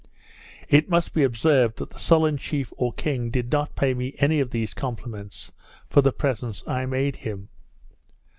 It must be observed, that the sullen chief or king did not pay me any of these compliments for the presents I made him.